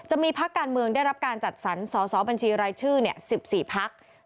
จะมีพักการเมืองได้รับการจัดสรรสอสอบัญชีรายชื่อ๑๔พัก